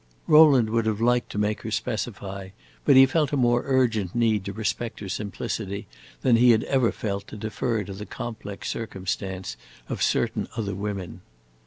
Rowland would have liked to make her specify; but he felt a more urgent need to respect her simplicity than he had ever felt to defer to the complex circumstance of certain other women.